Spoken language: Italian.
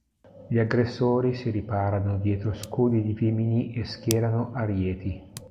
Gli aggressori si riparano dietro scudi di vimini e schierano arieti.